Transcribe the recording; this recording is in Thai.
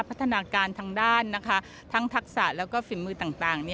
พัฒนาการทางด้านทั้งทักษะแล้วก็ฝีมือต่าง